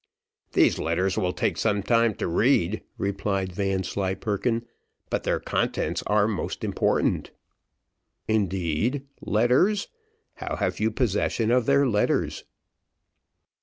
"These letters will take some time to read," replied Vanslyperken; "but their contents are most important." "Indeed, letters how have you possession of their letters?"